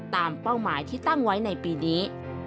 เป้าหมายที่ตั้งไว้ในปีนี้